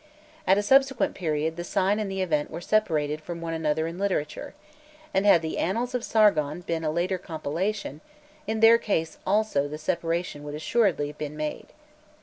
At a subsequent period the sign and the event were separated from one another in literature, and had the annals of Sargon been a later compilation, in their case also the separation would assuredly have been made.